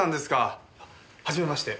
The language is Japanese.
はじめまして。